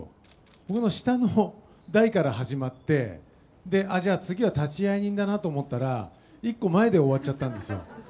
僕の下の代から始まって、で、あ、じゃあ、次は立会人だなと思ったら、１個前で終わっちゃったんですよ。